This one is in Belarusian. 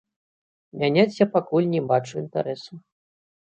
Мяняць я пакуль не бачу інтарэсу.